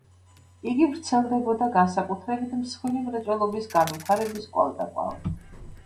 იგი ვრცელდებოდა განსაკუთრებით მსხვილი მრეწველობის განვითარების კვალდაკვალ.